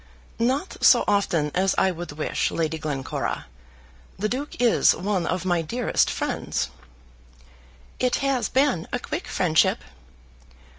"Not so often as I would wish, Lady Glencora. The Duke is one of my dearest friends." "It has been a quick friendship."